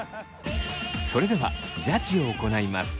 それではジャッジを行います。